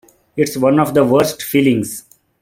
It's one of the worst feelings.